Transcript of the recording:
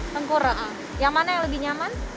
tengkura yang mana yang lebih nyaman